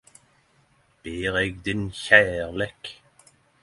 Ber eg din kjærleik